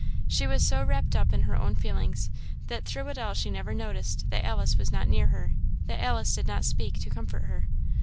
She was so wrapped up in her own feelings, that through it all she never noticed that Alice was not near her, that Alice did not speak to comfort her.